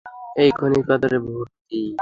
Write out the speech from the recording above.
এই ভূত্বক খনিজ পাথরে ভর্তি।